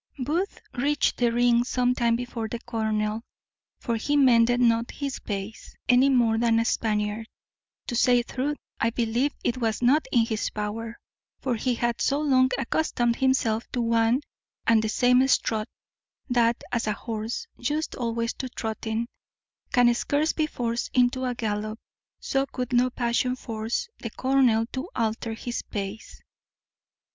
Booth reached the ring some time before the colonel; for he mended not his pace any more than a Spaniard. To say truth, I believe it was not in his power: for he had so long accustomed himself to one and the same strut, that as a horse, used always to trotting, can scarce be forced into a gallop, so could no passion force the colonel to alter his pace. [Illustration with caption: _Colonel Bath.